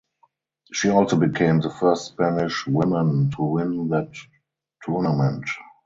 She also became the first Spanish woman to win that tournament.